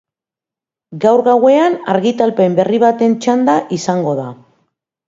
Gaur gauean argitalpen berri baten txanda izango da.